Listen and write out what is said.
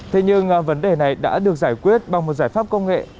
thế nhưng vấn đề này đã được giải quyết bằng một giải pháp công nghệ